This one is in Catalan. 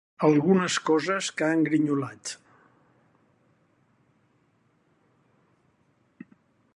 Algunes coses que han grinyolat.